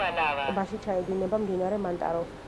ტბაში ჩაედინება მდინარე მანტარო.